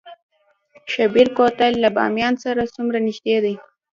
شیبر کوتل له بامیان سره څومره نږدې دی؟